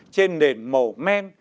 trên nền màu men